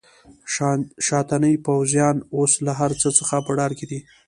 شاتني پوځیان اوس له هرڅه څخه په ډار کې دي.